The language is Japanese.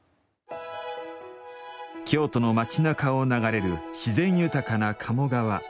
京都の町なかを流れる自然豊かな鴨川。